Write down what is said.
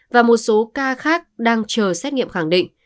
và một số ca khác đang chờ xét nghiệm khẳng định